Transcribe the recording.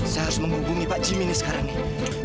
saya harus menghubungi pak jimmy nih sekarang nih